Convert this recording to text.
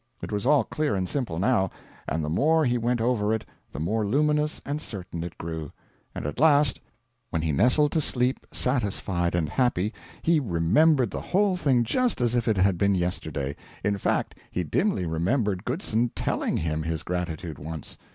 It was all clear and simple, now, and the more he went over it the more luminous and certain it grew; and at last, when he nestled to sleep, satisfied and happy, he remembered the whole thing just as if it had been yesterday. In fact, he dimly remembered Goodson's TELLING him his gratitude once.